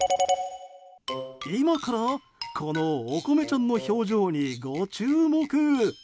今から、このおこめちゃんの表情にご注目。